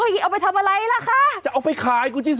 เอาไปทำอะไรล่ะคะจะเอาไปขายคุณชิสา